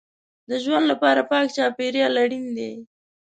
د ژوند لپاره پاک چاپېریال اړین دی.